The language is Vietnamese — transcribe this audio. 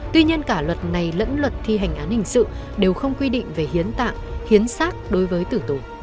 tuy nhiên cả luật này lẫn luật thi hành án hình sự đều không quy định về hiến tạng hiến sát đối với tử tù